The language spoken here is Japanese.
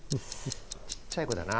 ちっちゃい子だな。